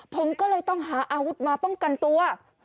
ผมก็เลยต้องหาอาวุธมาป้องกันตัว